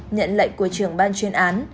nhận lệnh của trưởng ban chuyên án